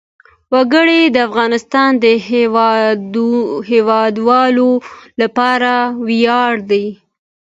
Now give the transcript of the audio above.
وګړي د افغانستان د هیوادوالو لپاره ویاړ دی.